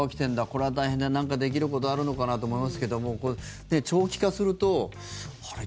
これは大変だなんかできることあるのかなと思いますけども長期化すると、あれ？